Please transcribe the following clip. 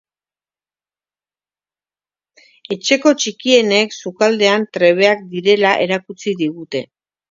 Etxeko txikienek sukaldean trebeak direla erakutsi digute.